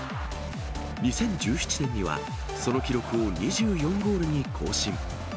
２０１７年には、その記録を２４ゴールに更新。